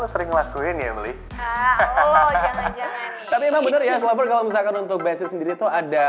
sering ngelakuin ya beli tapi bener bener kalau misalkan untuk besok sendiri tuh ada